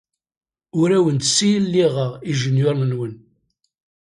Ur awen-d-ssiliɣeɣ ijenyuṛen-nwen.